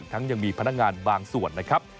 อีกทั้งยังมีพนักงานบางส่วนนะครับ